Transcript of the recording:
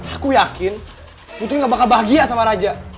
aku yakin putri gak bakal bahagia sama raja